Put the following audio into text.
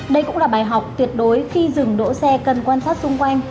đây cũng là bài học tuyệt đối khi dừng đỗ xe cần quan sát xung quanh